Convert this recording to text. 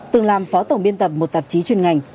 từng làm phó tổng biên tập một tạp chí chuyên ngành